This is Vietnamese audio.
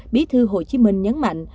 bí thư hồ chí minh nhấn mạnh